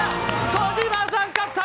小島さん勝った！